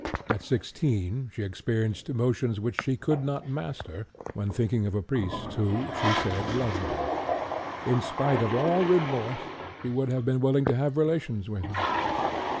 At sixteen she experienced emotions which she could not master, when thinking of a priest who, she said, loved her. In spite of all remorse she would have been willing to have relations with him.